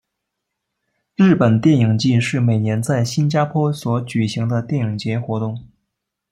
日本电影祭是每年在新加坡所举行的电影节活动。